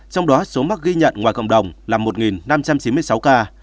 trong đó số mắc ghi nhận ngoài cộng đồng là một năm trăm chín mươi sáu ca